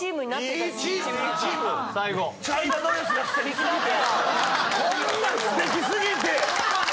こんなんすてき過ぎて。